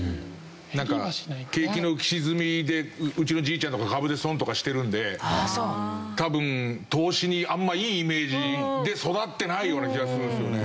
なんか景気の浮き沈みでうちのじいちゃんとか株で損とかしてるんで多分投資にあんまいいイメージで育ってないような気がするんですよね。